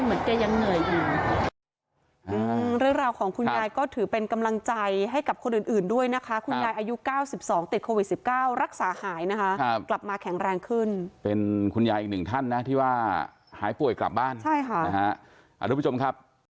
เหมือนแกยังเหนื่อยอ่า